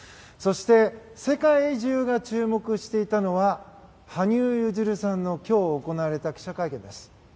そして世界中が注目していたのは羽生結弦さんの今日行われた記者会見です。